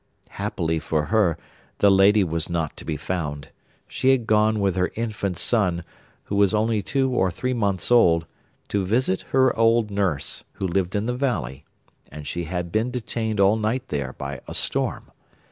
'Happily for her, the lady was not to be found. She had gone with her infant son, who was only two or three months old, to visit her old nurse, who lived in the valley; and she had been detained all night there by a storm.